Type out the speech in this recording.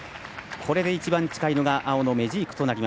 これで一番近いのがメジーク。